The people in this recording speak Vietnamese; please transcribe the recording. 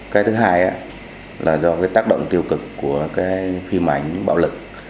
cái thứ hai là do tác động tiêu cực của phim ảnh bạo lực